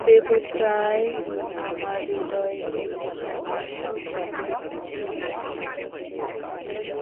দেবতায় আমার হৃদয় এবং আমার সংসার পরিপূর্ণ হইয়া গেল।